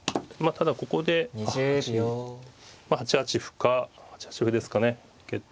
ただここで８八歩か８八歩ですかね受けて。